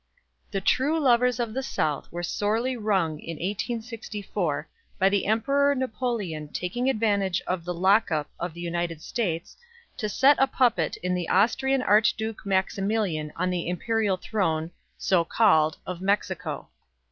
The true lovers of the South were sorely wrung in 1864 by the Emperor Napoleon taking advantage of the "lockup" of the United States, to set a puppet in the Austrian Archduke Maximilian on the imperial throne so called of Mexico.